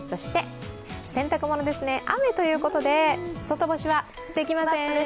洗濯物ですね、雨ということで外干しはできません。